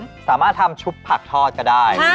ก็ได้ครับสามารถทำชุบผักทอดก็ได้